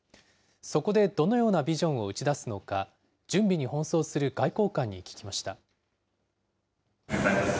そこでどのようなビジョンを打ち出すのか、準備に奔走する外交官に聞きました。